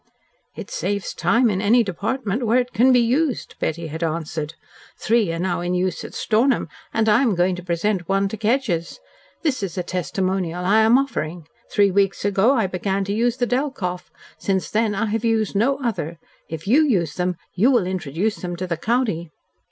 "It saves time in any department where it can be used," Betty had answered. "Three are now in use at Stornham, and I am going to present one to Kedgers. This is a testimonial I am offering. Three weeks ago I began to use the Delkoff. Since then I have used no other. If YOU use them you will introduce them to the county."